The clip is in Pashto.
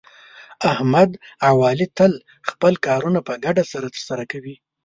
احمد او علي تل خپل کارونه په ګډه سره ترسه کوي.